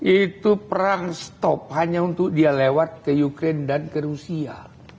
itu perang stop hanya untuk dia lewat ke ukraine dan ke rusia